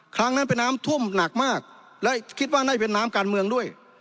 ครั้งนั้นเป็นน้ำท่วมหนักมากและคิดว่านั่นเป็นน้ำการเมืองด้วย